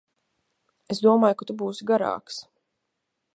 Es domāju, ka tu būsi garāks.